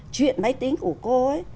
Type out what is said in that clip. chuyện máy tính của cô ấy